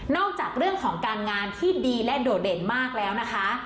จากเรื่องของการงานที่ดีและโดดเด่นมากแล้วนะคะ